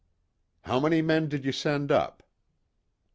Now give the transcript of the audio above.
"How many men did you send up?"